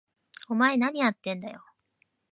お前、なにやってんだよ！？